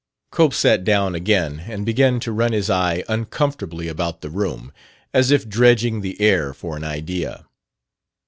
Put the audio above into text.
Cope sat down again and began to run his eye uncomfortably about the room, as if dredging the air for an idea.